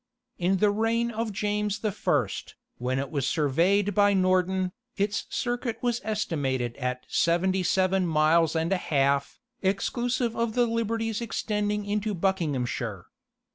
In the reign of James the First, when it was surveyed by Norden, its circuit was estimated at seventy seven miles and a half, exclusive of the liberties extending into Buckinghamshire.